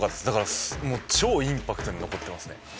だから超インパクトに残ってますね。